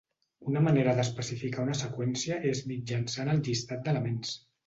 Una manera d'especificar una seqüència és mitjançant el llistat d'elements.